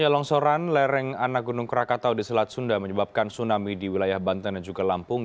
longsoran lereng anak gunung krakatau di selat sunda menyebabkan tsunami di wilayah banten dan juga lampung